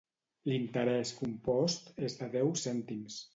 L'interès compost és de deu cèntims.